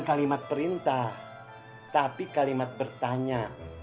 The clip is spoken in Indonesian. kalimat perintah tapi kalimat bertanya